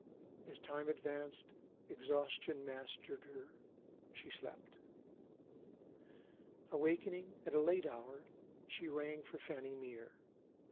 As time advanced, exhaustion mastered her; she slept. Awakening at a late hour, she rang for Fanny Mere.